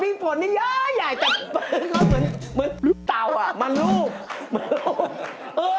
มีผลนี้เยอะใหญ่แต่มันเหมือนเตาอ่ะมันรูมันรู